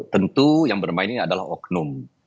tentu yang bermainnya adalah oknum